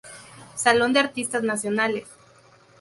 Salón de Artistas Nacionales.